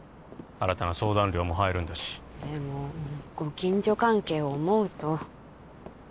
新たな相談料も入るんだしでもご近所関係を思うと